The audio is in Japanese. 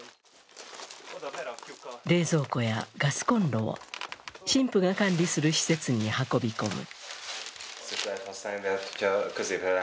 冷蔵庫やガスコンロを神父が管理する施設に運び込む。